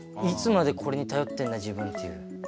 「いつまでこれに頼ってんだ自分」っていう。